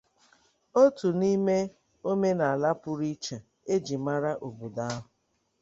otu n'ime omenala pụrụ iche e ji mara obodo ahụ.